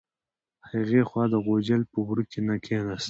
هغې خوا د غوجل په وره کې کیناست.